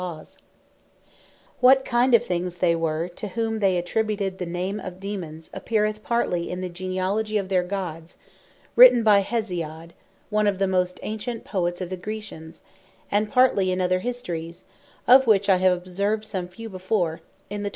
What Were The Daemons Of The Ancients What kind of things they were, to whom they attributed the name of Daemons, appeareth partly in the Genealogie of their Gods, written by Hesiod, one of the most ancient Poets of the Graecians; and partly in other Histories; of which I have observed some few before, in the 12.